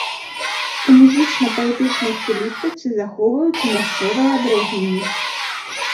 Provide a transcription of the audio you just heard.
У музычна-паэтычнай стылістыцы захоўваюцца мясцовыя адрозненні.